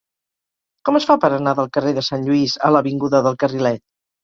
Com es fa per anar del carrer de Sant Lluís a l'avinguda del Carrilet?